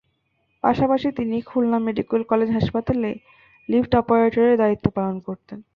পাশাপাশি তিনি Khulna medical college হাসপাতালে লিফট অপারেটরের দায়িত্ব পালন করতেন।